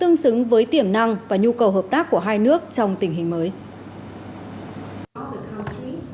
giới tiềm năng và nhu cầu hợp tác của hai nước trong tình hình mới